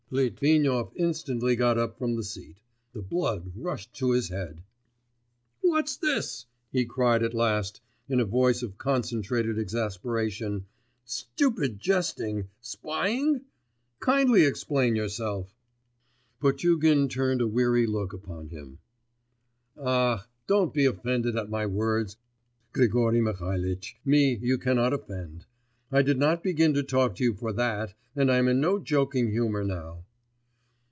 Litvinov instantly got up from the seat; the blood rushed to his head. 'What's this?' he cried at last, in a voice of concentrated exasperation: 'stupid jesting, spying? Kindly explain yourself.' Potugin turned a weary look upon him. 'Ah! don't be offended at my words. Grigory Mihalitch, me you cannot offend. I did not begin to talk to you for that, and I'm in no joking humour now.